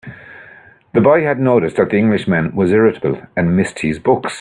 The boy had noticed that the Englishman was irritable, and missed his books.